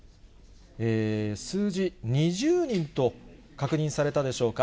数字、２０人と確認されたでしょうか。